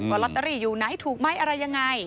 ลอตเตอรี่อยู่ไหนถูกไหมอะไรยังไง